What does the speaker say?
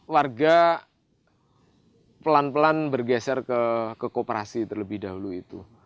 warga pelan pelan bergeser ke koperasi terlebih dahulu